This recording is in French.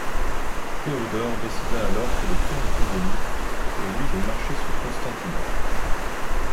Théodore décida alors que le temps était venu pour lui de marcher sur Constantinople.